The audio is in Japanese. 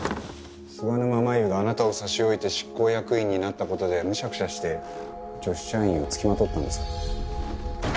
菅沼まゆがあなたを差し置いて執行役員になった事でムシャクシャして女子社員につきまとったんですか？